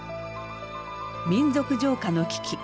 民族浄化の危機。